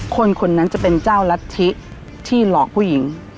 คนคนนั้นจะเป็นเจ้ารัฐธิที่หลอกผู้หญิง